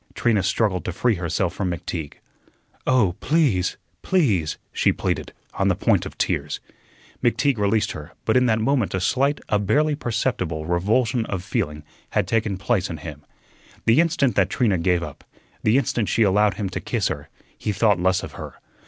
Trina struggled to free herself from McTeague. "Oh, please! please!" she pleaded, on the point of tears. McTeague released her, but in that moment a slight, a barely perceptible, revulsion of feeling had taken place in him. The instant that Trina gave up, the instant she allowed him to kiss her, he thought less of her.